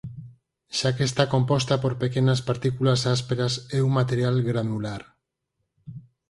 Xa que está composta por pequenas partículas ásperas é un material granular.